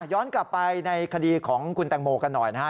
ย้อนกลับไปในคดีของคุณแตงโมกันหน่อยนะฮะ